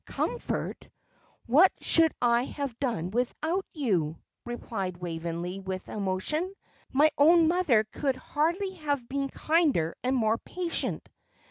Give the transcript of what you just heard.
"Comfort! What should I have done without you?" replied Waveney, with emotion. "My own mother could hardly have been kinder and more patient!"